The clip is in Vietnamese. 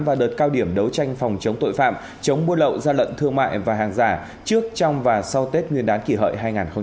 và đợt cao điểm đấu tranh phòng chống tội phạm chống buôn lậu gian lận thương mại và hàng giả trước trong và sau tết nguyên đán kỷ hợi hai nghìn một mươi chín